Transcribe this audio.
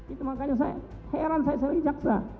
itu makanya saya heran saya sebagai jaksa